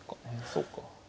そうか。